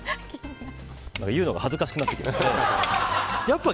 言うのが恥ずかしくなってきました。